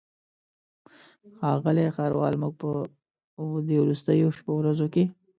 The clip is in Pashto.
ښاغلی ښاروال موږ په دې وروستیو شپو ورځو کې.